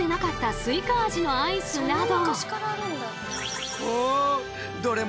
スイカ味のアイスなど！